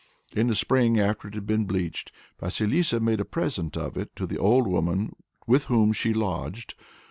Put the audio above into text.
In the spring, after it had been bleached, Vasilissa made a present of it to the old woman with whom she lodged.